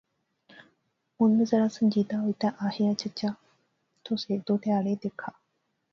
ہن میں ذرا سنجیدہ ہوئی تہ آخیا، چچا۔۔۔ تس ہیک دو تہاڑے دیکھا